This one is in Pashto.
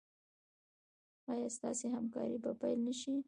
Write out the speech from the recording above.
ایا ستاسو همکاري به پیل نه شي؟